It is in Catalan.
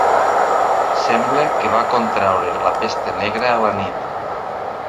Sembla que va contraure la pesta negra a la nit.